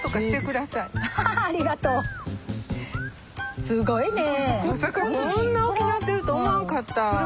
まさかこんな大きなってると思わんかった。